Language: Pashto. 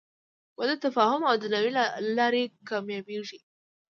• واده د تفاهم او درناوي له لارې کامیابېږي.